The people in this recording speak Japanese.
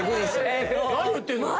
何言ってるのよ。